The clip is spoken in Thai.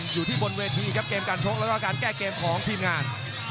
อยู่ที่บนเวทีครับเกมการชกแล้วก็การแก้เกมของทีมงาน